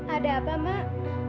ada apa mak